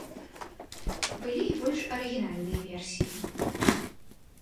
Былі і больш арыгінальныя версіі.